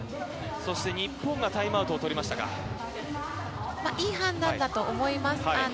そして日本がタイムアウトを取りいい判断だと思います。